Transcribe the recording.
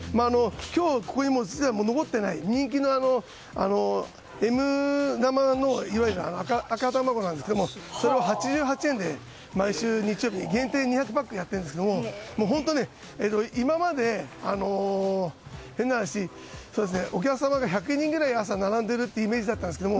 今日、ここにすでに残っていない人気のＭ玉の赤卵なんですけどそれを８８円で毎週、日曜日限定２００パックやってるんですけど今まではお客さんが１００人くらい店の前に並んでいるようなイメージだったんですけど。